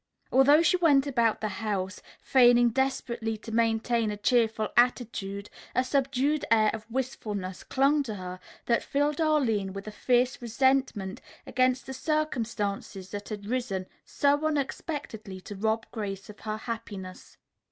Although she went about the house, feigning desperately to maintain a cheerful attitude, a subdued air of wistfulness clung to her that filled Arline with a fierce resentment against the circumstances that had risen so unexpectedly to rob Grace of her happiness.